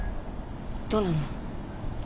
どうなの？